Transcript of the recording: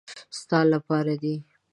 ستا له پاره دي .